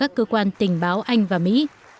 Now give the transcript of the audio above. các cơ quan tình báo anh và mỹ